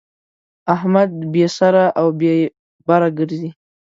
احمد بې سره او بې بره ګرځي.